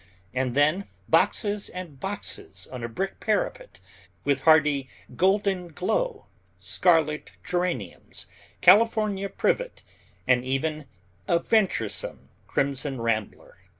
And then boxes and boxes on a brick parapet, with hardy Golden Glow, scarlet geraniums, California privet, and even a venturesome Crimson Rambler.